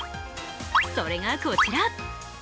それがこちら。